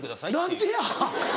何でや！